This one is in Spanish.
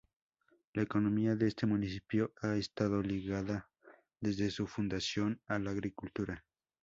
La economía de este municipio ha estado ligada desde su fundación a la agricultura.